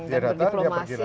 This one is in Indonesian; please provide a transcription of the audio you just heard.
dia datang dia pergi lagi